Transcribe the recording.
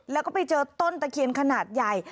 แล้วก็ไปเจอต้นตะเคียนขนาดใหญ่